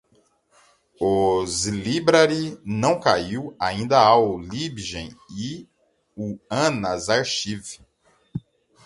O zlibrary não caiu, ainda há o libgen e o anna's archive